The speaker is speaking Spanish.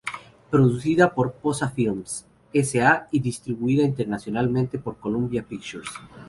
Producida por Posa Films S. A. y distribuida internacionalmente por Columbia Pictures.